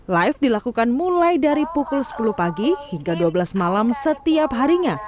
live dilakukan mulai dari pukul sepuluh pagi hingga dua belas malam setiap harinya